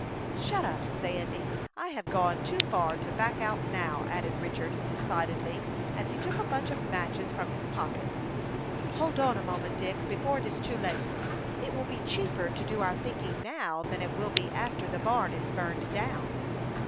"Shut up, Sandy! I have gone too far to back out now," added Richard, decidedly, as he took a bunch of matches from his pocket. "Hold on a moment, Dick, before it is too late. It will be cheaper to do our thinking now than it will be after the barn is burned down."